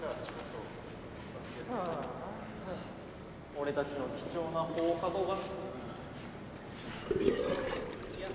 俺たちの貴重な放課後が。